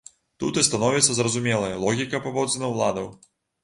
Тут і становіцца зразумелай логіка паводзінаў уладаў.